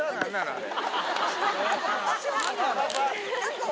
あれ。